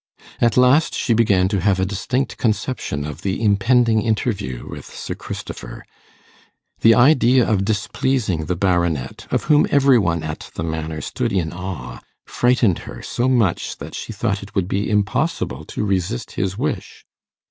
At last she began to have a distinct conception of the impending interview with Sir Christopher. The idea of displeasing the Baronet, of whom every one at the Manor stood in awe, frightened her so much that she thought it would be impossible to resist his wish.